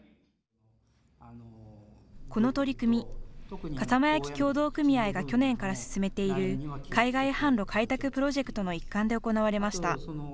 この取り組み、笠間焼協同組合が去年から進めている海外販路開拓プロジェクトの一環で行われました。